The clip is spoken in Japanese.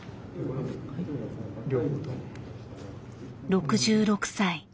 ６６歳。